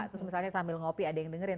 terus misalnya sambil ngopi ada yang dengerin